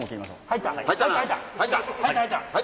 はい。